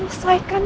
mama gak mau